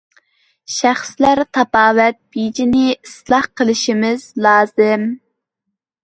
شەخسلەر تاپاۋەت بېجىنى ئىسلاھ قىلىشىمىز لازىم.